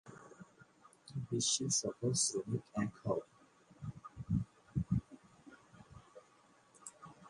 বিশ্বের সকল শ্রমিক, এক হও!